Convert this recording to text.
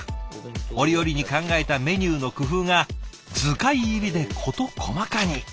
折々に考えたメニューの工夫が図解入りで事細かに。